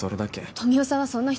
富生さんはそんな人じゃ。